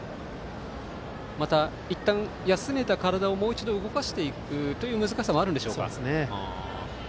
また、いったん休めた体をもう一度動かしていくという難しさもあるんでしょうか。